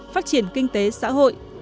phát triển kinh tế xã hội